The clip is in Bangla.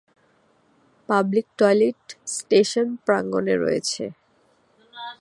পাবলিক টয়লেট স্টেশন প্রাঙ্গনে রয়েছে।